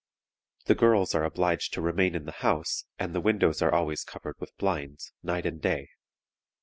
The girls are obliged to remain in the house, and the windows are always covered with blinds, night and day.